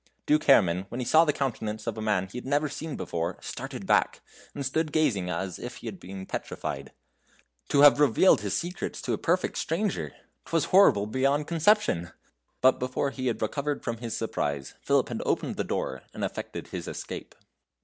Duke Herrman, when he saw the countenance of a man he had never seen before, started back, and stood gazing as if he had been petrified. To have revealed his secrets to a perfect stranger! 'T was horrible beyond conception! But before he had recovered from his surprise, Philip had opened the door and effected his escape.